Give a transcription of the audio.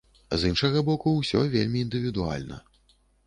З іншага боку, усё вельмі індывідуальна.